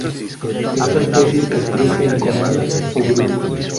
Esta especie que crece en colonias o grupos.